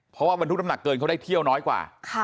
เพราะว่าบรรทุกน้ำหนักเกินเขาได้เที่ยวน้อยกว่า